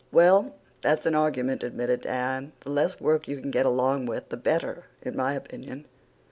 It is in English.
"Well, that's an argument," admitted Dan. "The less work you can get along with the better, in my opinion.